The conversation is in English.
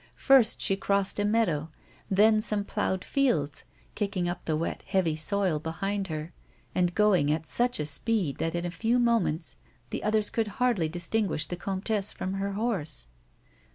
First she crossed a meadow, then some ploughed fields, kicking up the wet heavy soil be hind her, and going at such a speed that in a few moments the others could hardly distinguish the comtesse from her horse.